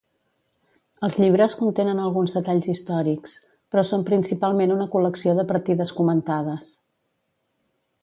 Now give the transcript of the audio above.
Els llibres contenen alguns detalls històrics, però són principalment una col·lecció de partides comentades.